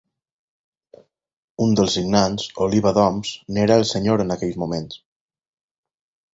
Un dels signants, Oliba d'Oms, n'era el senyor en aquell moment.